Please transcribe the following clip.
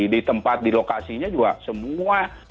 di tempat di lokasinya juga semua